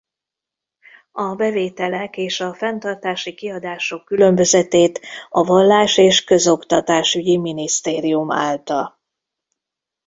A bevételek és a fenntartási kiadások különbözetét a vallás- és közoktatásügyi minisztérium állta.